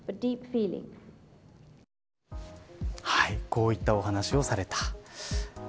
こういったお話をされた。